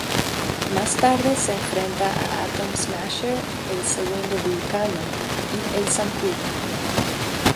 Más tarde se enfrenta a Atom-Smasher, el segundo Vulcano, y el Zancudo.